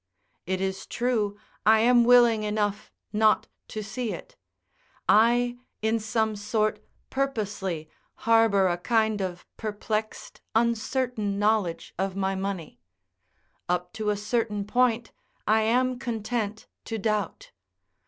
It is true, I am willing enough not to see it; I, in some sort, purposely, harbour a kind of perplexed, uncertain knowledge of my money: up to a certain point, I am content to doubt.